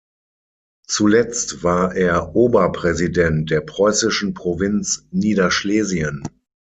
Zuletzt war er Oberpräsident der preußischen Provinz Niederschlesien.